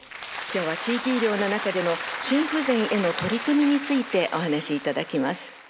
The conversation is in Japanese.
今日は地域医療の中での心不全への取り組みについてお話しいただきます。